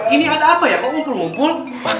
ini ada apa ya kok ngumpul ngumpul